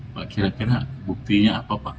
pak kira kira buktinya apa pak